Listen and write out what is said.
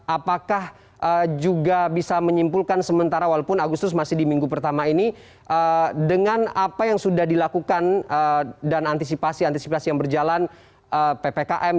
apakah juga bisa menyimpulkan sementara walaupun agustus masih di minggu pertama ini dengan apa yang sudah dilakukan dan antisipasi antisipasi yang berjalan ppkm